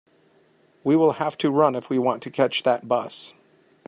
We will have to run if we want to catch that bus.